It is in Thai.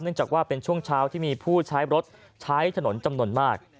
จากว่าเป็นช่วงเช้าที่มีผู้ใช้รถใช้ถนนจำนวนมาก